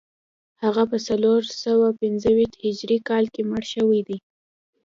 هغه په څلور سوه پنځه ویشت هجري کال کې مړ شوی دی